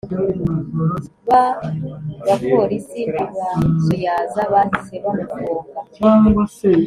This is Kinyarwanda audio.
Ba baporisi ntibazuyaza bahise bamufunga